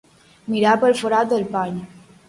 Mirar pel forat del pany.